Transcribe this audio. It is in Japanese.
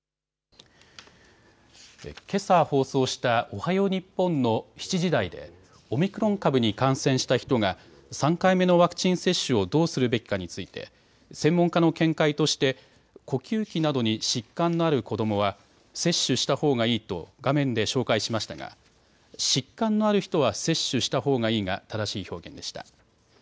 けさ放送したおはよう日本の７時台でオミクロン株に感染した人が３回目のワクチン接種をどうするべきかについて専門家の見解として呼吸器などに疾患のある子どもは接種したほうがいいと画面で紹介しましたが、疾患のある人は接種したほうがいいが正しい表現でした。